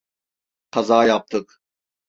Kaza yaptık.